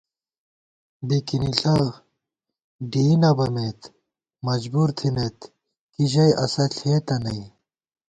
بِکِنِݪہ ڈېئ نہ بَمېت مجبُورتھنَئیت کی ژَئی اسہ ݪېتہ نئ